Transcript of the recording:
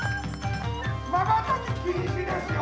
まばたき禁止ですよ。